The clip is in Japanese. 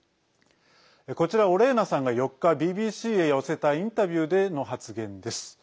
こちら、オレーナさんが４日ＢＢＣへ寄せたインタビューでの発言です。